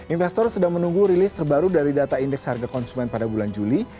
investor sedang menunggu rilis terbaru dari data indeks harga konsumen pada bulan juli